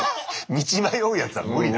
道迷うやつは無理だな。